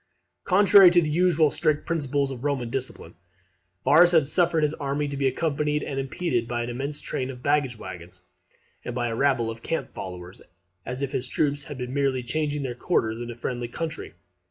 ] Contrary to the usual strict principles of Roman discipline, Varus had suffered his army to be accompanied and impeded by an immense train of baggage waggons, and by a rabble of camp followers; as if his troops had been merely changing their quarters in a friendly country.